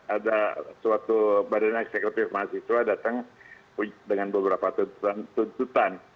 ada suatu badan eksekutif mahasiswa datang dengan beberapa tuntutan